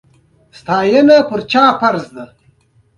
ساتنه د چا فرض دی؟